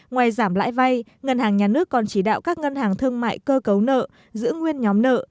ngoài giảm lãi vay ngân hàng nhà nước còn chỉ đạo các ngân hàng thương mại cơ cấu nợ giữ nguyên nhóm nợ